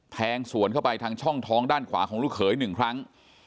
แทงสวนเข้าไปทางช่องท้องด้านขวาของลูกเขยหนึ่งครั้ง